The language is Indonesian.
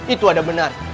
itu ada benar